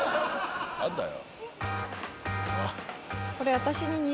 何だよ。